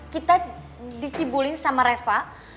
kita dikibulin sama reva